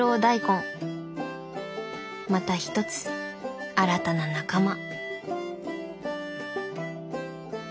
また一つ新たな仲間。